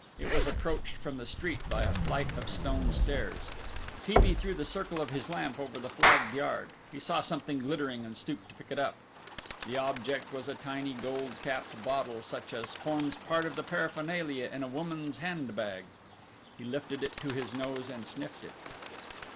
It was approached from the street by a flight of stone stairs. T. B. threw the circle of his lamp over the flagged yard. He saw something glittering and stooped to pick it up. The object was a tiny gold capped bottle such as forms part of the paraphernalia in a woman's handbag. He lifted it to his nose and sniffed it.